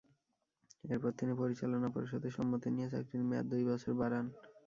এরপর তিনি পরিচালনা পর্ষদের সম্মতি নিয়ে চাকরির মেয়াদ দুই বছর বাড়ান।